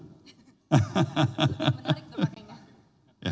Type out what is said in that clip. menarik tuh pakaiannya ya